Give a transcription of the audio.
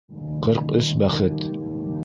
Ҡырк өс бәхет.